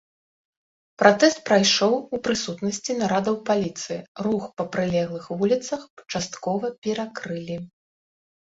Пратэст прайшоў у прысутнасці нарадаў паліцыі, рух па прылеглых вуліцах часткова перакрылі.